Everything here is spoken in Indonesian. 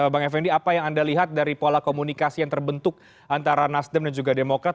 bang effendi apa yang anda lihat dari pola komunikasi yang terbentuk antara nasdem dan juga demokrat